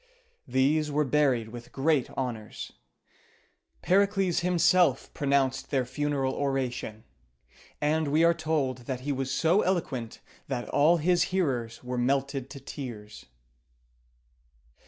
These were buried with great honors. Pericles himself pronounced their funeral oration; and we are told that he was so eloquent that all his hearers were melted to tears.